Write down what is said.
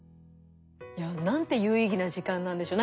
いやなんて有意義な時間なんでしょう。